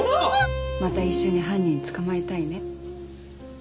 また一緒に犯人捕まえたいね。